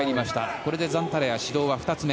これでザンタラヤ指導は２つ目。